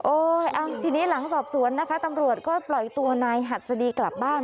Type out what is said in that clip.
ทีนี้หลังสอบสวนนะคะตำรวจก็ปล่อยตัวนายหัสดีกลับบ้าน